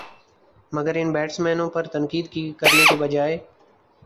مگر ان بیٹسمینوں پر تنقید کرنے کے بجائے